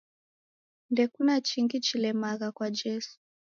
Ndekuna chingi chilemagha kwa Jesu.